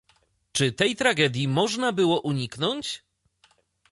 czy tej tragedii można było uniknąć?